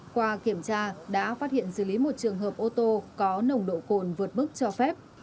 qua kiểm tra đã phát hiện xử lý một trường hợp ô tô có nồng độ cồn vượt mức cho phép